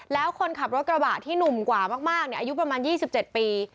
แล้วคนขับรถกระบะที่หนุ่มกว่ามากอายุประมาณ๒๗ปี